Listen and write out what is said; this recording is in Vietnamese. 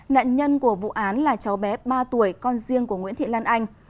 nạn nhân của vụ án là cháu bé ba tuổi con riêng của nguyễn thị lan anh